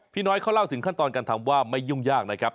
น้อยเขาเล่าถึงขั้นตอนการทำว่าไม่ยุ่งยากนะครับ